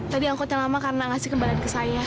tadi angkutnya lama karena ngasih kembali ke saya